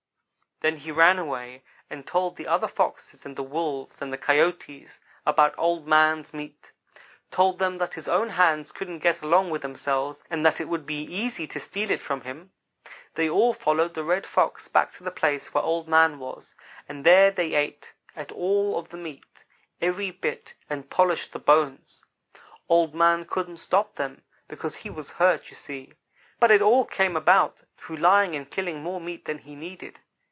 Then he ran away and told the other Foxes and the Wolves and the Coyotes about Old man's meat. Told them that his own hands couldn't get along with themselves and that it would be easy to steal it from him. "They all followed the Red Fox back to the place where Old man was, and there they ate all of the meat every bit, and polished the bones. "Old man couldn't stop them, because he was hurt, you see; but it all came about through lying and killing more meat than he needed.